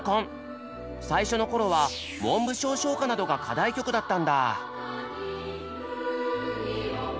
最初の頃は文部省唱歌などが課題曲だったんだ。